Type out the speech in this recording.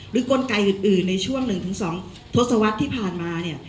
กลไกอื่นในช่วง๑๒ทศวรรษที่ผ่านมาเนี่ย